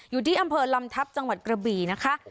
อยู่ที่อำเภอลำทัพจังหวัดกระบี่นะคะ